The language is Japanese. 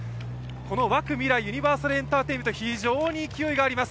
この和久夢来、ユニバーサルエンターテインメントは非常に勢いがあります。